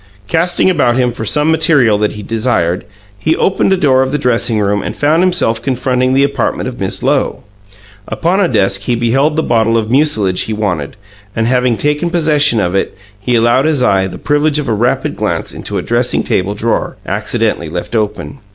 Casting about him for some material that he desired, he opened a door of the dressing room and found himself confronting the apartment of Miss Lowe. Upon a desk he beheld the bottle of mucilage he wanted, and, having taken possession of it, he allowed his eye the privilege of a rapid glance into a dressing table drawer, accidentally left open.